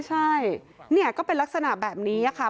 ใช่เนี่ยก็เป็นลักษณะแบบนี้ค่ะ